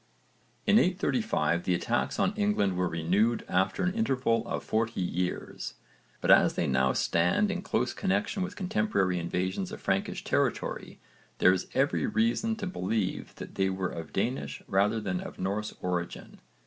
In 835 the attacks on England were renewed after an interval of 40 years, but as they now stand in close connexion with contemporary invasions of Frankish territory there is every reason to believe that they were of Danish rather than of Norse origin.